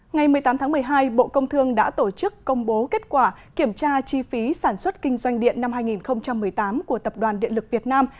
ngày một mươi tám tháng một mươi hai bộ công thương đã tổ chức công bố kết quả kiểm tra chi phí sản xuất kinh doanh điện năm hai nghìn một mươi tám của tập đoàn điện lực việt nam